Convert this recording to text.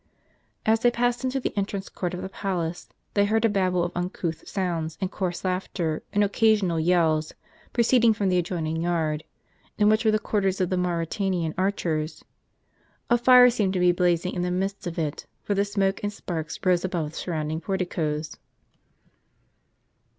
As they passed into the entrance court of the palace, they heard a Babel of uncouth sounds, with coarse laughter and occasional yells, proceeding from the adjoining yard, in which were the quarters of the Mauritanian archers. A fire seemed to be blazing in the midst of it, for the smoke and sparks rose above the surrounding porticoes.